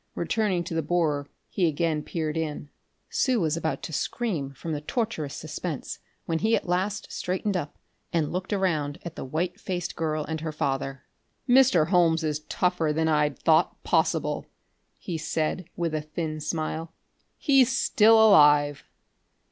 Returning to the borer, he again peered in. Sue was about to scream from the torturous suspense when he at last straightened up and looked around at the white faced girl and her father. "Mr. Holmes is tougher than I'd thought possible," he said, with a thin smile; "he's still alive."